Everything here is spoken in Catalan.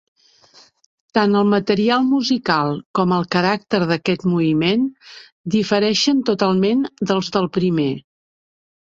Tant el material musical com el caràcter d'aquest moviment difereixen totalment dels del primer.